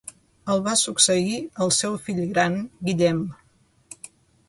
El va succeir el seu fill gran Guillem.